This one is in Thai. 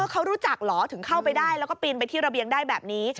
เขารู้จักเหรอถึงเข้าไปได้แล้วก็ปีนไปที่ระเบียงได้แบบนี้